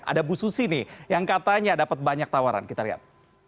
ada bu susi nih yang katanya dapat banyak tawaran kita lihat